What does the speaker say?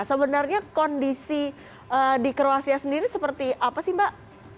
sebenarnya kondisi di kroasia sendiri seperti apa sih mbak